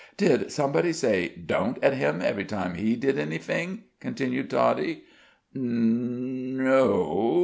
"Did somebody say 'Don't' at Him every time he did anyfing?" continued Toddie. "N n n o!